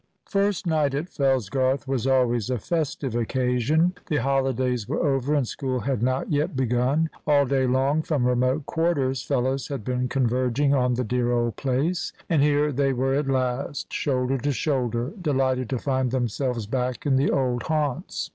First night at Fellsgarth was always a festive occasion. The holidays were over, and school had not yet begun. All day long, from remote quarters, fellows had been converging on the dear old place; and here they were at last, shoulder to shoulder, delighted to find themselves back in the old haunts.